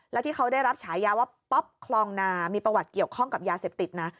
แล้วที่เขาได้รับฉายาว่าป๊อปคลองนามีประวัติเกี่ยวข้องกับยาเสพติดนะ